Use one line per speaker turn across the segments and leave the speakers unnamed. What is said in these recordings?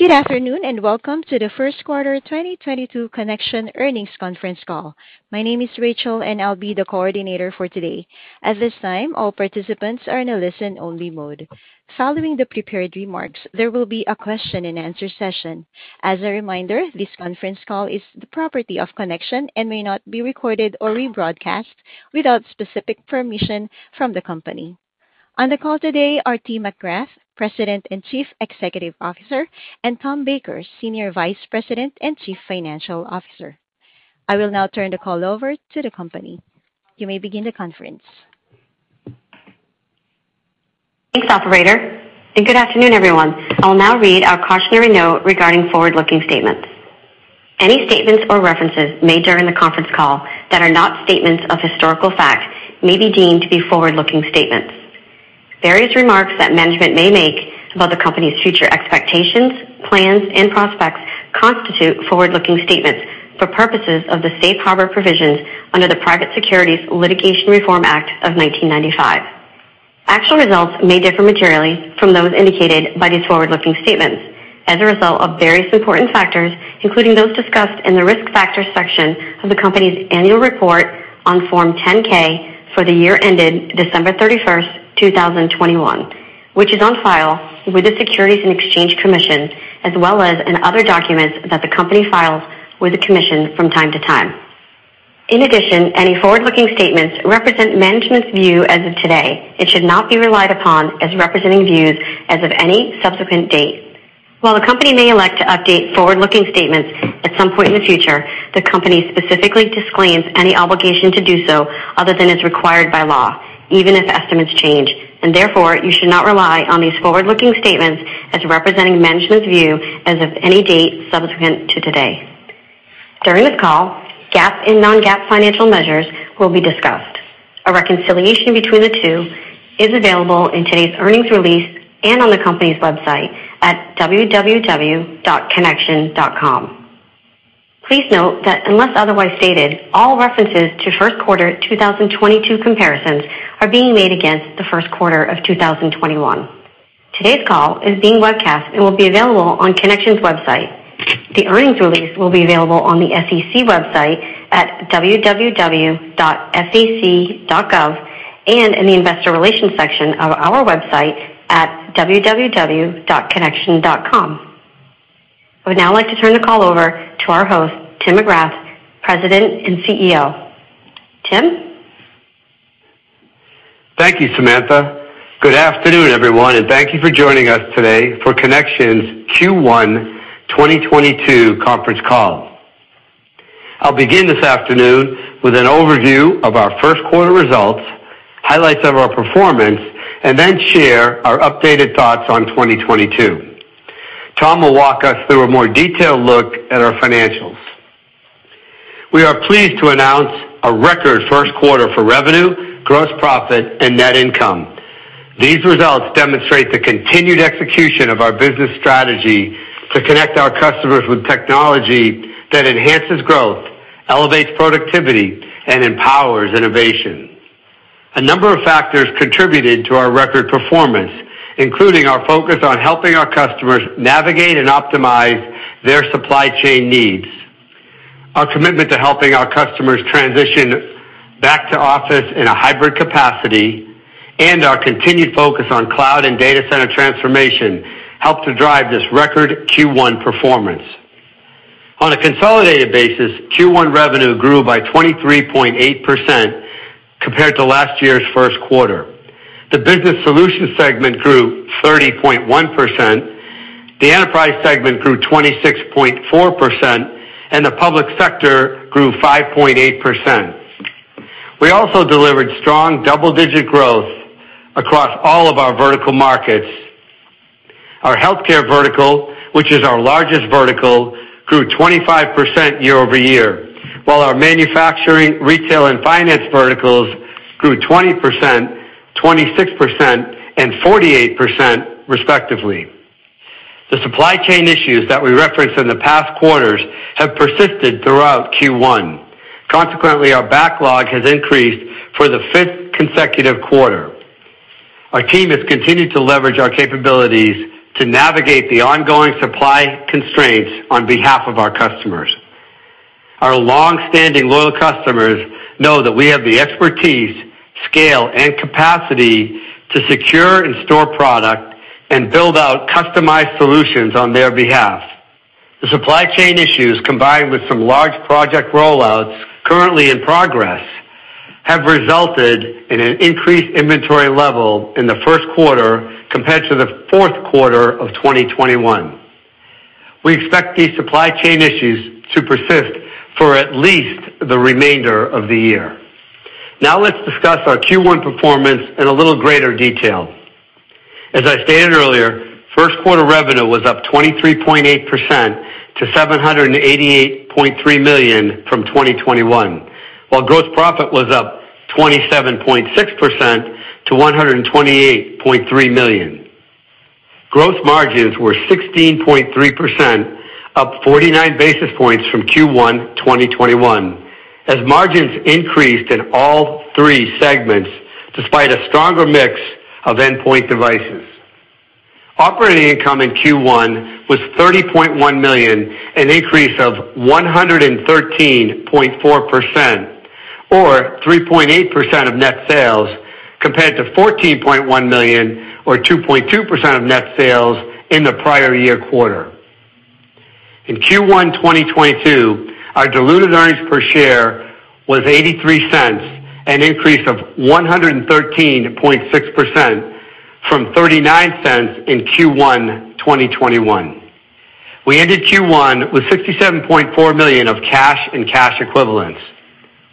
Good afternoon, and welcome to the first quarter 2022 Connection earnings conference call. My name is Rachel, and I'll be the coordinator for today. At this time, all participants are in a listen-only mode. Following the prepared remarks, there will be a question-and-answer session. As a reminder, this conference call is the property of Connection and may not be recorded or rebroadcast without specific permission from the company. On the call today are Tim McGrath, President and Chief Executive Officer, and Tom Baker, Senior Vice President and Chief Financial Officer. I will now turn the call over to the company. You may begin the conference.
Thanks, operator, and good afternoon, everyone. I will now read our cautionary note regarding forward-looking statements. Any statements or references made during the conference call that are not statements of historical fact may be deemed to be forward-looking statements. Various remarks that management may make about the company's future expectations, plans and prospects constitute forward-looking statements for purposes of the safe harbor provisions under the Private Securities Litigation Reform Act of 1995. Actual results may differ materially from those indicated by these forward-looking statements as a result of various important factors, including those discussed in the Risk Factors section of the company's annual report on Form 10-K for the year ended December 31st, 2021, which is on file with the Securities and Exchange Commission, as well as in other documents that the company files with the Commission from time to time. In addition, any forward-looking statements represent management's view as of today. It should not be relied upon as representing views as of any subsequent date. While the company may elect to update forward-looking statements at some point in the future, the company specifically disclaims any obligation to do so other than as required by law, even if estimates change. Therefore, you should not rely on these forward-looking statements as representing management's view as of any date subsequent to today. During this call, GAAP and non-GAAP financial measures will be discussed. A reconciliation between the two is available in today's earnings release and on the company's website at www.connection.com. Please note that unless otherwise stated, all references to first quarter 2022 comparisons are being made against the first quarter of 2021. Today's call is being webcast and will be available on Connection's website. The earnings release will be available on the SEC website at www.sec.gov, and in the Investor Relations section of our website at www.connection.com. I would now like to turn the call over to our host, Tim McGrath, President and CEO. Tim.
Thank you, Samantha. Good afternoon, everyone, and thank you for joining us today for Connection's Q1 2022 conference call. I'll begin this afternoon with an overview of our first quarter results, highlights of our performance, and then share our updated thoughts on 2022. Tom will walk us through a more detailed look at our financials. We are pleased to announce a record first quarter for revenue, gross profit and net income. These results demonstrate the continued execution of our business strategy to connect our customers with technology that enhances growth, elevates productivity, and empowers innovation. A number of factors contributed to our record performance, including our focus on helping our customers navigate and optimize their supply chain needs. Our commitment to helping our customers transition back to office in a hybrid capacity, and our continued focus on cloud and data center transformation helped to drive this record Q1 performance. On a consolidated basis, Q1 revenue grew by 23.8% compared to last year's first quarter. The business solutions segment grew 30.1%. The enterprise segment grew 26.4%, and the public sector grew 5.8%. We also delivered strong double-digit growth across all of our vertical markets. Our healthcare vertical, which is our largest vertical, grew 25% year-over-year, while our manufacturing, retail, and finance verticals grew 20%, 26%, and 48% respectively. The supply chain issues that we referenced in the past quarters have persisted throughout Q1. Consequently, our backlog has increased for the 5th consecutive quarter. Our team has continued to leverage our capabilities to navigate the ongoing supply constraints on behalf of our customers. Our longstanding loyal customers know that we have the expertise, scale, and capacity to secure and store product and build out customized solutions on their behalf. The supply chain issues, combined with some large project rollouts currently in progress, have resulted in an increased inventory level in the first quarter compared to the fourth quarter of 2021. We expect these supply chain issues to persist for at least the remainder of the year. Now let's discuss our Q1 performance in a little greater detail. As I stated earlier, first quarter revenue was up 23.8% to $788.3 million from 2021. While gross profit was up 27.6% to $128.3 million. Gross margins were 16.3%, up 49 basis points from Q1 2021. As margins increased in all three segments despite a stronger mix of endpoint devices. Operating income in Q1 was $30.1 million, an increase of 113.4% or 3.8% of net sales compared to $14.1 million or 2.2% of net sales in the prior year quarter. In Q1 2022, our diluted earnings per share was $0.83, an increase of 113.6% from $0.39 in Q1 2021. We ended Q1 with $67.4 million of cash and cash equivalents.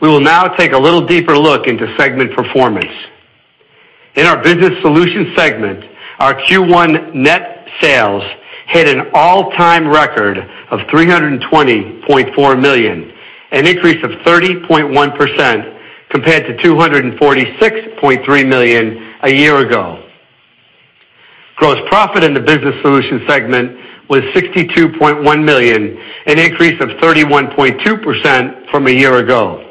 We will now take a little deeper look into segment performance. In our business solutions segment, our Q1 net sales hit an all-time record of $320.4 million, an increase of 30.1% compared to $246.3 million a year ago. Gross profit in the business solutions segment was $62.1 million, an increase of 31.2% from a year ago.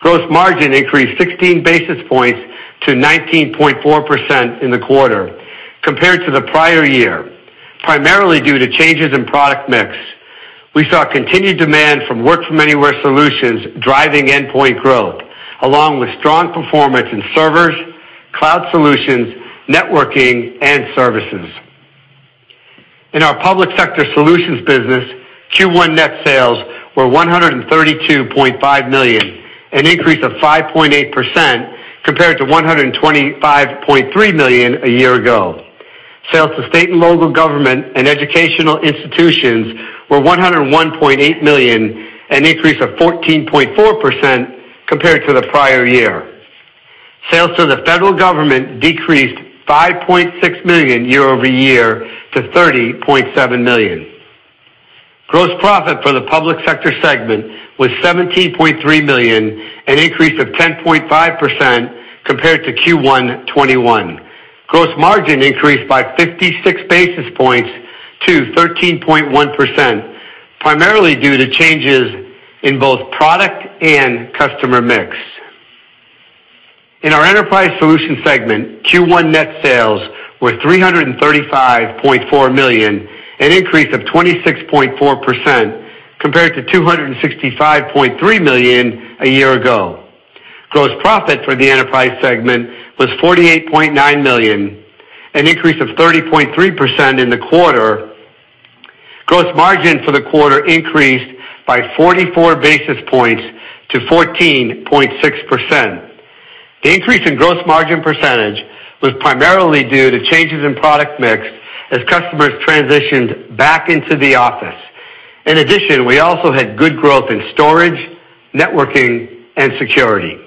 Gross margin increased 16 basis points to 19.4% in the quarter compared to the prior year, primarily due to changes in product mix. We saw continued demand from work-from-anywhere solutions driving endpoint growth, along with strong performance in servers, cloud solutions, networking, and services. In our public sector solutions business, Q1 net sales were $132.5 million, an increase of 5.8% compared to $125.3 million a year ago. Sales to state and local government and educational institutions were $101.8 million, an increase of 14.4% compared to the prior year. Sales to the federal government decreased $5.6 million year-over-year to $30.7 million. Gross profit for the public sector segment was $17.3 million, an increase of 10.5% compared to Q1 2021. Gross margin increased by 56 basis points to 13.1%, primarily due to changes in both product and customer mix. In our enterprise solutions segment, Q1 net sales were $335.4 million, an increase of 26.4% compared to $265.3 million a year ago. Gross profit for the enterprise segment was $48.9 million, an increase of 30.3% in the quarter. Gross margin for the quarter increased by 44 basis points to 14.6%. The increase in gross margin percentage was primarily due to changes in product mix as customers transitioned back into the office. In addition, we also had good growth in storage, networking, and security.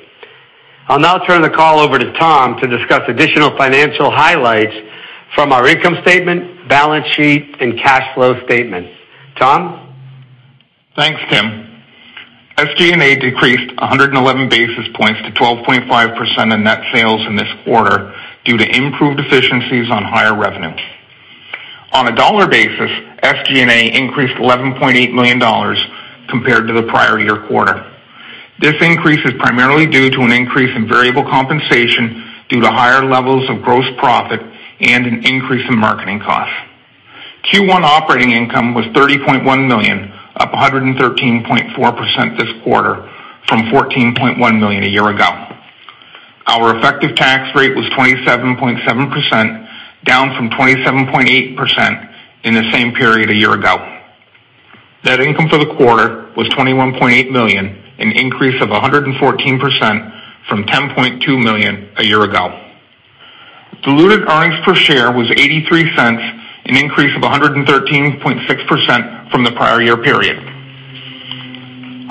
I'll now turn the call over to Tom to discuss additional financial highlights from our income statement, balance sheet, and cash flow statement. Tom?
Thanks, Tim. SG&A decreased 111 basis points to 12.5% of net sales in this quarter due to improved efficiencies on higher revenues. On a dollar basis, SG&A increased $11.8 million compared to the prior year quarter. This increase is primarily due to an increase in variable compensation due to higher levels of gross profit and an increase in marketing costs. Q1 operating income was $30.1 million, up 113.4% this quarter from $14.1 million a year ago. Our effective tax rate was 27.7%, down from 27.8% in the same period a year ago. Net income for the quarter was $21.8 million, an increase of 114% from $10.2 million a year ago. Diluted earnings per share was $0.83, an increase of 113.6% from the prior year period.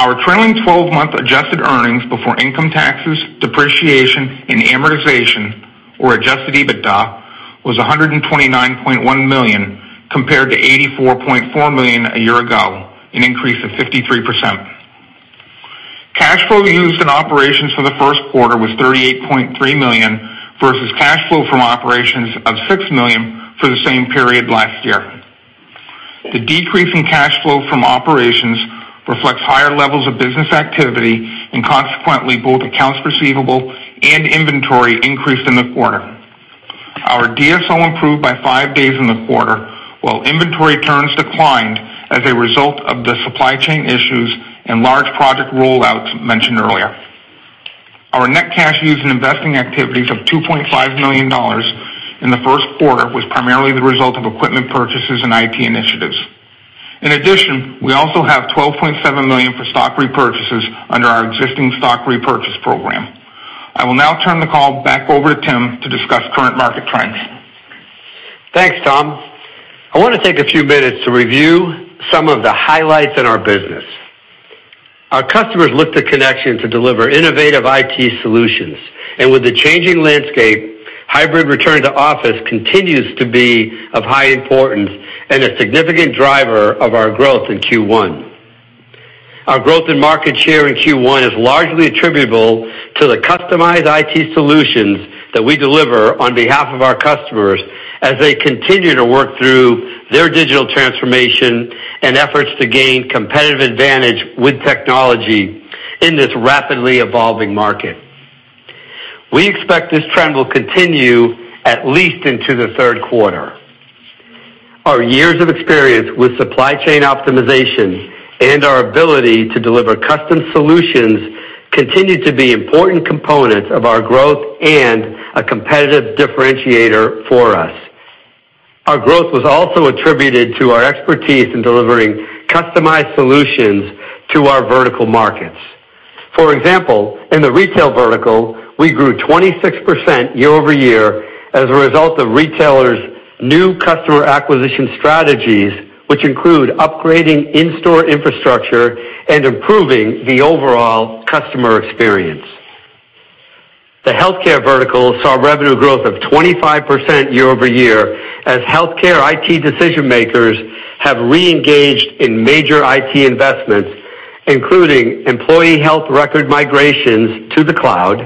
Our trailing twelve-month adjusted earnings before income taxes, depreciation, and amortization, or adjusted EBITDA, was $129.1 million compared to $84.4 million a year ago, an increase of 53%. Cash flow used in operations for the first quarter was $38.3 million versus cash flow from operations of $6 million for the same period last year. The decrease in cash flow from operations reflects higher levels of business activity and consequently, both accounts receivable and inventory increased in the quarter. Our DSO improved by five days in the quarter, while inventory turns declined as a result of the supply chain issues and large project rollouts mentioned earlier. Our net cash used in investing activities of $2.5 million in the first quarter was primarily the result of equipment purchases and IT initiatives. In addition, we also have $12.7 million for stock repurchases under our existing stock repurchase program. I will now turn the call back over to Tim to discuss current market trends.
Thanks, Tom. I want to take a few minutes to review some of the highlights in our business. Our customers look to Connection to deliver innovative IT solutions, and with the changing landscape, hybrid return to office continues to be of high importance and a significant driver of our growth in Q1. Our growth in market share in Q1 is largely attributable to the customized IT solutions that we deliver on behalf of our customers as they continue to work through their digital transformation and efforts to gain competitive advantage with technology in this rapidly evolving market. We expect this trend will continue at least into the third quarter. Our years of experience with supply chain optimization and our ability to deliver custom solutions continue to be important components of our growth and a competitive differentiator for us. Our growth was also attributed to our expertise in delivering customized solutions to our vertical markets. For example, in the retail vertical, we grew 26% year-over-year as a result of retailers' new customer acquisition strategies, which include upgrading in-store infrastructure and improving the overall customer experience. The healthcare vertical saw revenue growth of 25% year-over-year as healthcare IT decision-makers have reengaged in major IT investments, including employee health record migrations to the cloud,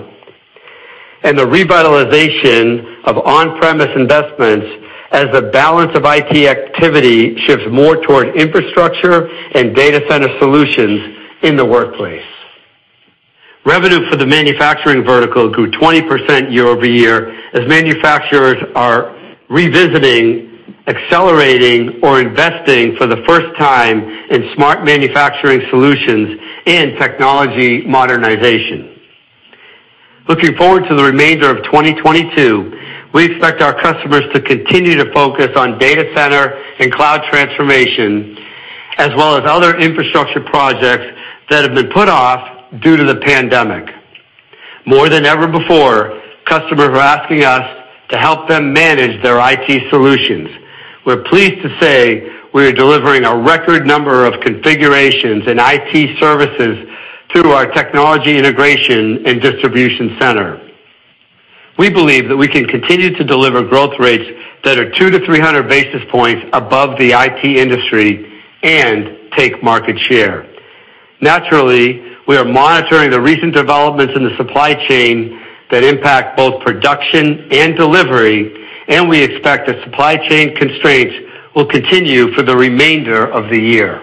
and the revitalization of on-premise investments as the balance of IT activity shifts more toward infrastructure and data center solutions in the workplace. Revenue for the manufacturing vertical grew 20% year-over-year as manufacturers are revisiting, accelerating, or investing for the first time in smart manufacturing solutions and technology modernization. Looking forward to the remainder of 2022, we expect our customers to continue to focus on data center and cloud transformation, as well as other infrastructure projects that have been put off due to the pandemic. More than ever before, customers are asking us to help them manage their IT solutions. We're pleased to say we are delivering a record number of configurations and IT services through our technology integration and distribution center. We believe that we can continue to deliver growth rates that are 200-300 basis points above the IT industry and take market share. Naturally, we are monitoring the recent developments in the supply chain that impact both production and delivery, and we expect that supply chain constraints will continue for the remainder of the year.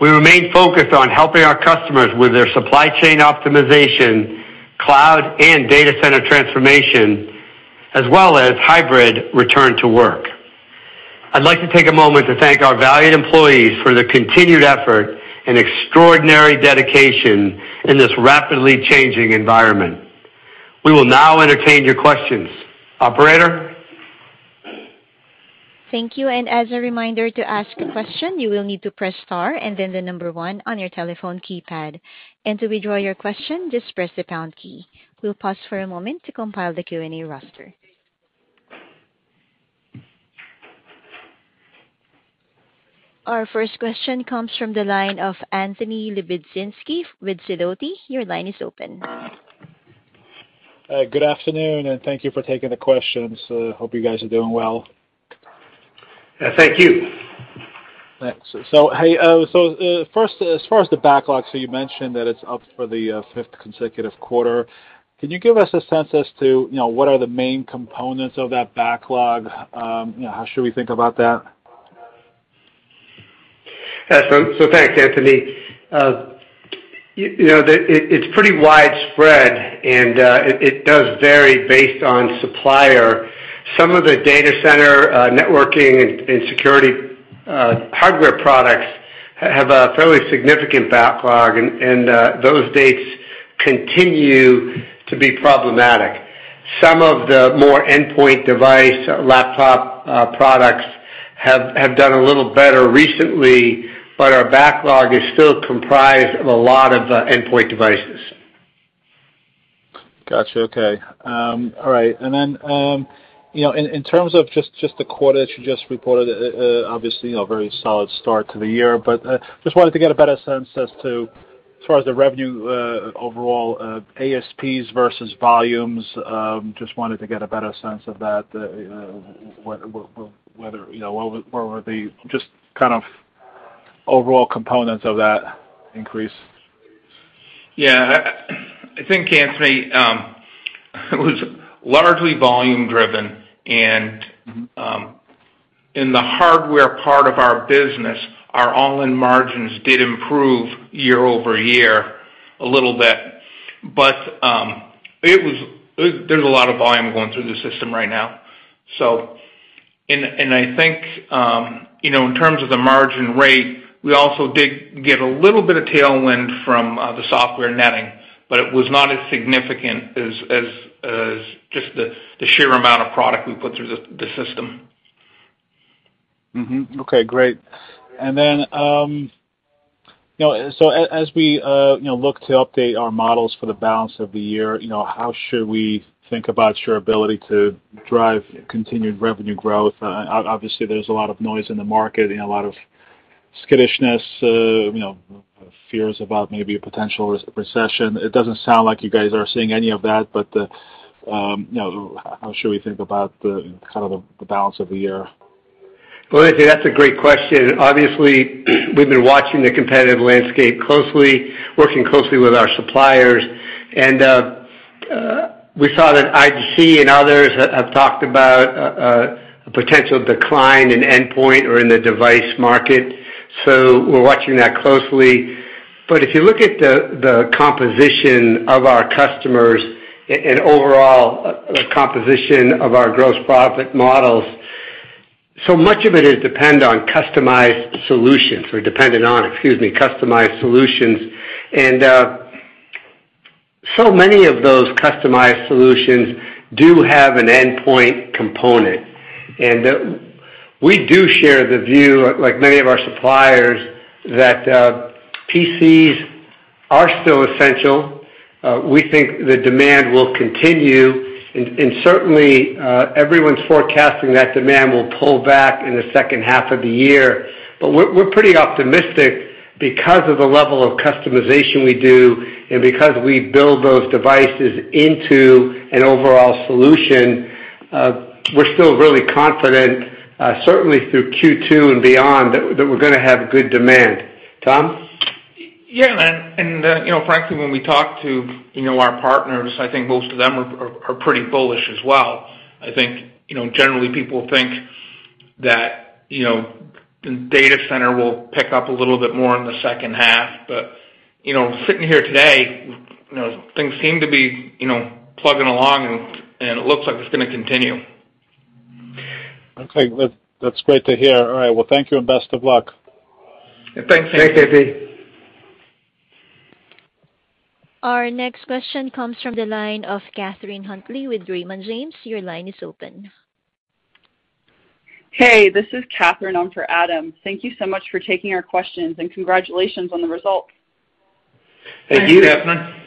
We remain focused on helping our customers with their supply chain optimization, cloud and data center transformation, as well as hybrid return to work. I'd like to take a moment to thank our valued employees for their continued effort and extraordinary dedication in this rapidly changing environment. We will now entertain your questions. Operator?
Thank you. As a reminder, to ask a question, you will need to press star and then the number one on your telephone keypad. To withdraw your question, just press the pound key. We'll pause for a moment to compile the Q&A roster. Our first question comes from the line of Anthony Lebiedzinski with Sidoti. Your line is open.
Good afternoon, and thank you for taking the questions. Hope you guys are doing well.
Thank you.
Thanks. Hey, first, as far as the backlog, you mentioned that it's up for the fifth consecutive quarter. Can you give us a sense as to, you know, what are the main components of that backlog? You know, how should we think about that?
Thanks, Anthony. You know, it’s pretty widespread, and it does vary based on supplier. Some of the data center networking and security hardware products have a fairly significant backlog, and those dates continue to be problematic. Some of the more endpoint device laptop products have done a little better recently, but our backlog is still comprised of a lot of endpoint devices.
Gotcha. Okay. All right. Then, you know, in terms of just the quarter that you just reported, obviously, you know, very solid start to the year. Just wanted to get a better sense as to, as far as the revenue, overall, ASPs versus volumes, just wanted to get a better sense of that, whether, you know, what were the just kind of overall components of that increase?
Yeah. I think, Anthony, it was largely volume driven, and in the hardware part of our business, our all-in margins did improve year-over-year a little bit. There's a lot of volume going through the system right now. I think, you know, in terms of the margin rate, we also did get a little bit of tailwind from the software netting, but it was not as significant as just the sheer amount of product we put through the system.
Okay, great. Then, you know, so as we, you know, look to update our models for the balance of the year, you know, how should we think about your ability to drive continued revenue growth? Obviously, there's a lot of noise in the market and a lot of skittishness, you know, fears about maybe a potential recession. It doesn't sound like you guys are seeing any of that, but, you know, how should we think about the, kind of the balance of the year?
Well, I think that's a great question. Obviously, we've been watching the competitive landscape closely, working closely with our suppliers, and we saw that IDC and others have talked about a potential decline in endpoint or in the device market. We're watching that closely. If you look at the composition of our customers and overall the composition of our gross profit models, so much of it is dependent on customized solutions. So many of those customized solutions do have an endpoint component. We do share the view like many of our suppliers, that PCs are still essential. We think the demand will continue, and certainly, everyone's forecasting that demand will pull back in the second half of the year. We're pretty optimistic because of the level of customization we do and because we build those devices into an overall solution. We're still really confident, certainly through Q2 and beyond that we're gonna have good demand. Tom?
Yeah. You know, frankly, when we talk to, you know, our partners, I think most of them are pretty bullish as well. I think, you know, generally people think that, you know, the data center will pick up a little bit more in the second half. You know, sitting here today, you know, things seem to be, you know, plugging along and it looks like it's gonna continue.
Okay. That's great to hear. All right. Well, thank you and best of luck.
Thanks.
Thanks, AP.
Our next question comes from the line of Catherine Huntley with Raymond James. Your line is open.
Hey, this is Catherine on for Adam. Thank you so much for taking our questions, and congratulations on the results.
Thank you Catherine.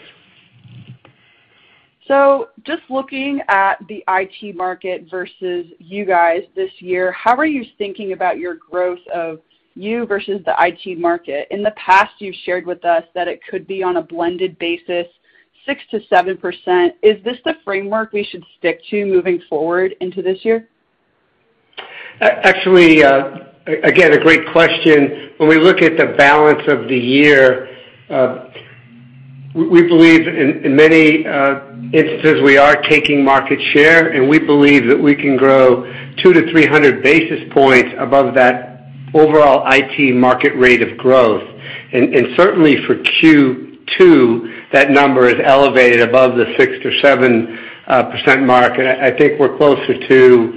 Just looking at the IT market versus you guys this year, how are you thinking about your growth of you versus the IT market? In the past, you've shared with us that it could be on a blended basis, 6%-7%. Is this the framework we should stick to moving forward into this year?
Actually, again, a great question. When we look at the balance of the year, we believe in many instances we are taking market share, and we believe that we can grow 200-300 basis points above that overall IT market rate of growth. Certainly for Q2, that number is elevated above the 6%-7% mark. I think we're closer to-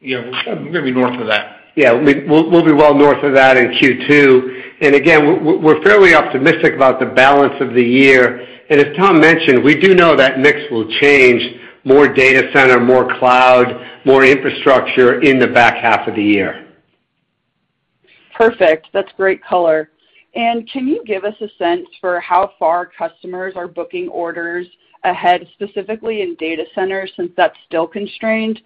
Yeah, maybe north of that.
Yeah. We'll be well north of that in Q2. Again, we're fairly optimistic about the balance of the year. As Tom mentioned, we do know that mix will change, more data center, more cloud, more infrastructure in the back half of the year.
Perfect. That's great color. Can you give us a sense for how far customers are booking orders ahead, specifically in data centers since that's still constrained?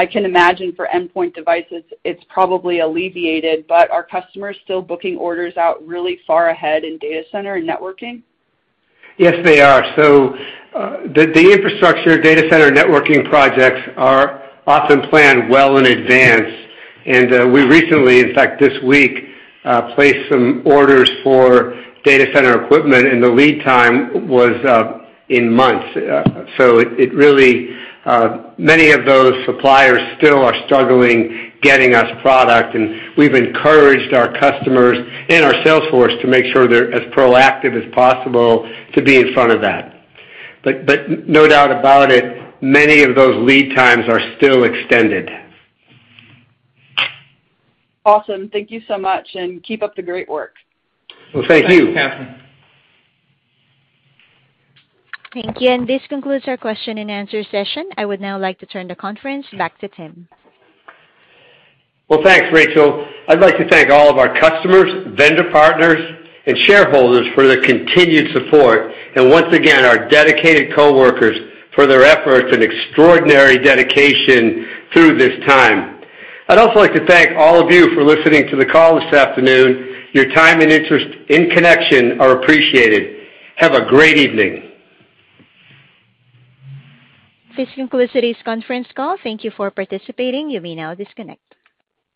I can imagine for endpoint devices it's probably alleviated, but are customers still booking orders out really far ahead in data center and networking?
Yes, they are. The infrastructure data center networking projects are often planned well in advance. We recently, in fact this week, placed some orders for data center equipment, and the lead time was in months. It really many of those suppliers still are struggling getting us product, and we've encouraged our customers and our sales force to make sure they're as proactive as possible to be in front of that. No doubt about it, many of those lead times are still extended.
Awesome. Thank you so much, and keep up the great work.
Well, thank you.
Thanks, Catherine.
Thank you. This concludes our question and answer session. I would now like to turn the conference back to Tim.
Well, thanks, Rachel. I'd like to thank all of our customers, vendor partners, and shareholders for their continued support and once again our dedicated coworkers for their efforts and extraordinary dedication through this time. I'd also like to thank all of you for listening to the call this afternoon. Your time and interest in Connection are appreciated. Have a great evening.
This concludes today's conference call. Thank you for participating. You may now disconnect.